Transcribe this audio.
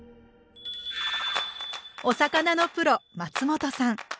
お魚のプロ松本さん